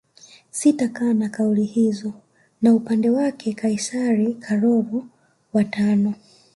Sitakana kauli hizo na Upande wake Kaisari Karolo wa tano